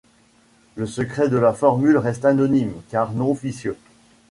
Le secret de la formule reste anonyme car non officieux.